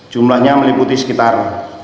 jumlahnya meliputi sekitar